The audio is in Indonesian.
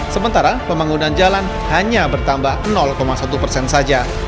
sementara pembangunan jalan hanya bertambah satu persen saja